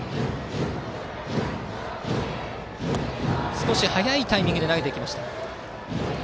少し早いタイミングで投げてきました。